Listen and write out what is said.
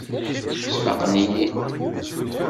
Sfaqen-iyi-id.